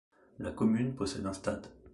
La commune possède un stade.